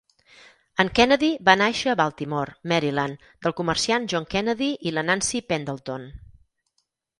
En Kennedy va nàixer a Baltimore, Maryland, del comerciant John Kennedy i la Nancy Pendleton.